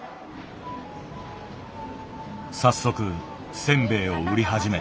早速せんべいを売り始めた。